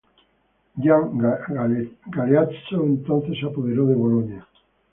Gian Galeazzo, entonces se apoderó de Bolonia.